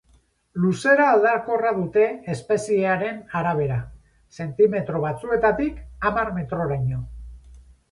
Luzera aldakorra dute espeziearen arabera: zentimetro batzuetatik hamar metroraino.